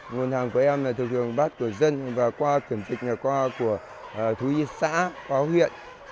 nguồn hàng của em là thực hưởng bát của dân và qua kiểm dịch là qua của thú y xã qua huyện